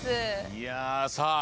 いやさあ